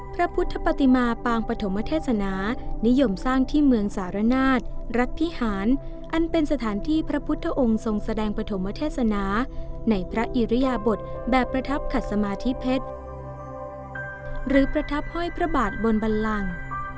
พระพุทธปฏิมาปางปฐมเทศนานิยมสร้างที่เมืองสารนาฏรัฐพิหารอันเป็นสถานที่พระพุทธองค์ทรงแสดงปฐมเทศนาในพระอิริยบทแบบประทับขัดสมาธิเพชรหรือประทับห้อยพระบาทบนบันลัง